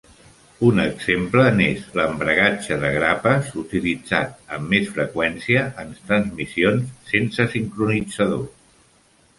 Un exemple n'és l'embragatge de grapes, utilitzat amb més freqüència en transmissions sense sincronitzador.